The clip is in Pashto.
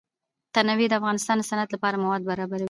تنوع د افغانستان د صنعت لپاره مواد برابروي.